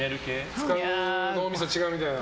使う脳みそ違うみたいな。